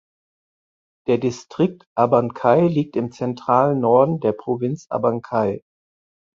Der Distrikt Abancay liegt im zentralen Norden der Provinz Abancay.